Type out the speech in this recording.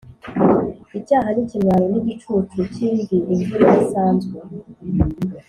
icyaha n'ikimwaro ni igicucu cy'imvi, imvura idasanzwe.